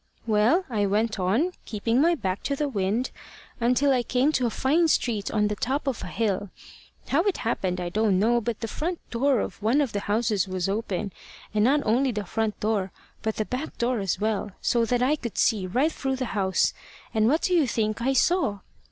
"Well, I went on, keeping my back to the wind, until I came to a fine street on the top of a hill. How it happened I don't know, but the front door of one of the houses was open, and not only the front door, but the back door as well, so that I could see right through the house and what do you think I saw?